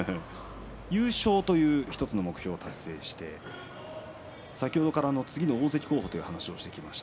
優勝という１つの目標を達成して先ほどから次の大関候補という話をしてきました